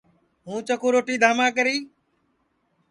ہوں چکُو روٹی دھاما کری